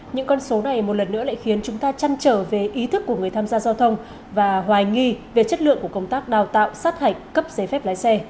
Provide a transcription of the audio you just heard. những con số này một lần nữa lại khiến chúng ta chăn trở về ý thức của người tham gia giao thông và hoài nghi về chất lượng của công tác đào tạo sát hạch cấp giấy phép lái xe